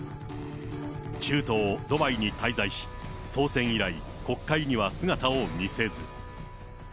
中東ドバイに滞在し、当選以来、国会には姿を見せず。